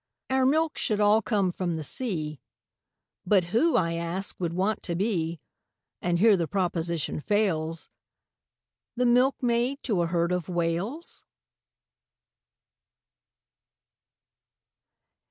Our milk should all come from the sea, But who, I ask, would want to be, And here the proposition fails, The milkmaid to a herd of Whales?